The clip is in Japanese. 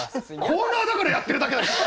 コーナーだからやってるだけだし！